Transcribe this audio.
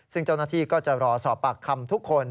ซึ่งเจ้าหน้าที่ก็จะรอสอบปากคำทุกคน